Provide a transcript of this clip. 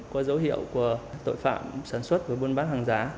có dấu hiệu của tội phạm sản xuất và buôn bán hàng giá